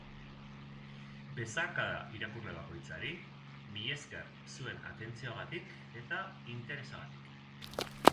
Besarkada irakurle bakoitzari, milesker zuen atentziogatik eta interesagatik.